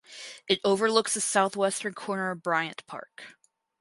It overlooks the southwestern corner of Bryant Park.